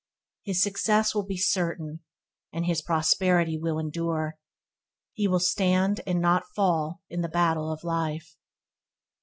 His success will be certain and his prosperity will endure. "He will stand and not fall in the battle of life."